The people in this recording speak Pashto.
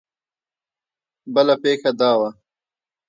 بله پېښه دا وه.